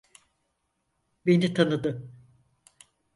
Beni tanıdı.